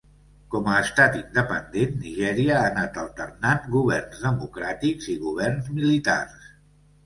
Com a estat independent, Nigèria ha anat alternant governs democràtics i governs militars.